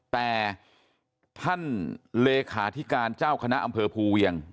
แต่ท่านเลขาธิการเจ้าคณะอำเภอภูเวียง